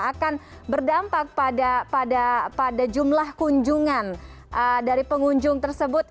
akan berdampak pada jumlah kunjungan dari pengunjung tersebut